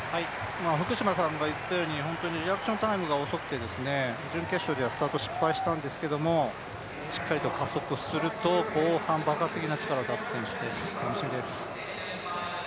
福島さんが言ったように、本当にリアクションタイムが遅くて準決勝ではスタート失敗したんですけれども、しっかりと加速すると後半爆発的な力を出す選手です、楽しみです。